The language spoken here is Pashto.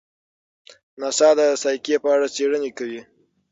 ناسا د سایکي په اړه څېړنې کوي.